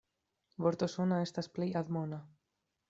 Vorto sona estas plej admona.